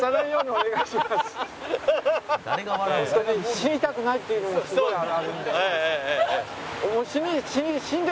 死にたくないっていうのがすごいあるんで。